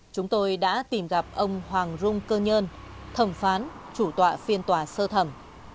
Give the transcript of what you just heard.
chúng tôi đã tìm gặp ông hoàng rung cơ nhân thẩm phán chủ tọa phiên tòa sơ thẩm